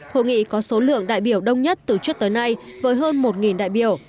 hội nghị có số lượng đại biểu đông nhất từ trước tới nay với hơn một đại biểu